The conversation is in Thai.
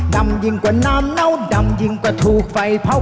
ดำยิ่งกว่าน้ำเน่าดำยิ่งกว่าถูกไฟเผา